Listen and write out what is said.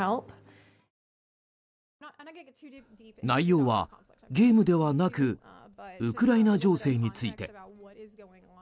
内容はゲームではなくウクライナ情勢について。